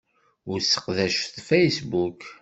Ur sseqdacet Facebook.